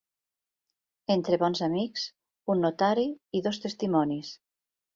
Entre bons amics, un notari i dos testimonis.